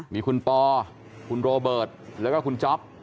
มีคุณปอคุณโรเบิร์ตแล้วก็คุณจ๊อป